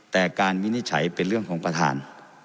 แต่การวินิจฉัยเป็นเรื่องของประธาน